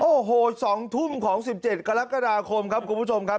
โอ้โห๒ทุ่มของ๑๗กรกฎาคมครับคุณผู้ชมครับ